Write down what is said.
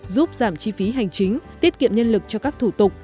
giúp giảm chi phí hành chính tiết kiệm nhân lực cho các thủ tục